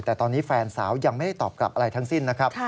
แต่ตอนนี้แฟนสาวยังไม่ได้ตอบกลับอะไรทั้งสิ้นนะครับ